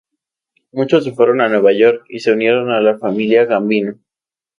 Muchos se fueron a Nueva York y se unieron a la familia Gambino.